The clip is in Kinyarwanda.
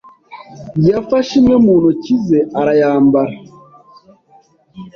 yafashe imwe mu ntoki ze arayambara.